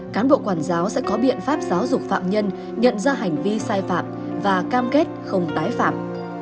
cán bộ quản giáo sẽ có biện pháp giáo dục phạm nhân nhận ra hành vi sai phạm và cam kết không tái phạm